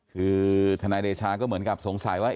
คือทนายเดชาก็เหมือนกับสงสัยว่า